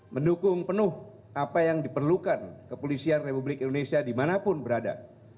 mendukung penuh apa yang diperlukan kepolisian republik indonesia dimanapun berada